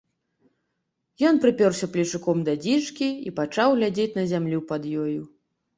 Ён прыпёрся плечуком да дзічкі і пачаў глядзець на зямлю пад ёю.